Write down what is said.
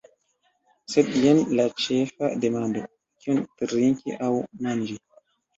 Sed jen la ĉefa demando: « kion trinki aŭ manĝi."